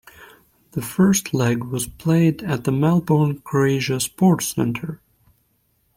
The first leg was played at the Melbourne Croatia Sports Centre.